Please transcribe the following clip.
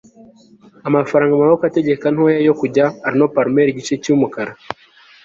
amafaranga mumaboko ategeka ntoya yo kujya arnold palmer igice cyumukara